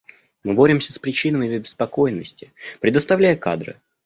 Мы боремся с причинами обеспокоенности, предоставляя кадры.